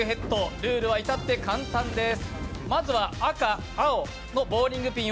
ルールは至って簡単です。